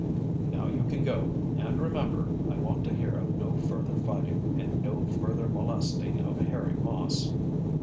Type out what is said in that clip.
"Now you can go, and remember, I want to hear of no further fighting, and no further molesting of Harry Moss."